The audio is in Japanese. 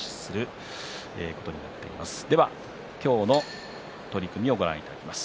今日の取組をご覧いただきます。